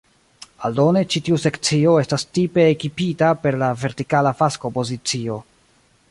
Aldone, ĉi tiu sekcio estas tipe ekipita per la vertikala fasko pozicio.